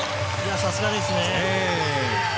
さすがですね。